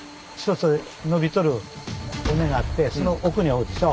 のびとる尾根があってその奥におるでしょ？